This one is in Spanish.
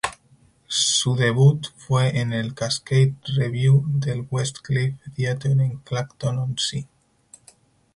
Su debut fue en el Cascade Revue del West Cliff Theatre en Clacton-on-Sea.